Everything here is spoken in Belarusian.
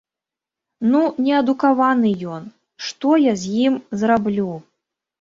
Ну, неадукаваны ён, што я з ім зраблю?